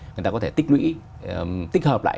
người ta có thể tích hợp lại